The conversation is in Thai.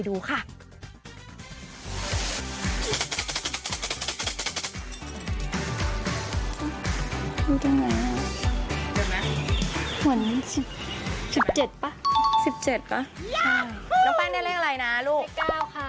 น้องแป้งได้เรื่องอะไรนะลูกเลขเก้าค่ะ